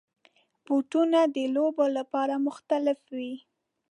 بوټونه د لوبو لپاره مختلف وي.